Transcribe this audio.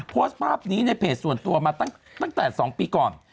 โพสต์ภาพนี้ในเพจส่วนตัวมาตั้งแต่๒ปีก่อน